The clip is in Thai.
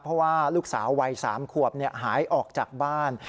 เพราะว่าลูกสาววัย๓ขวบหายออกจากบ้าน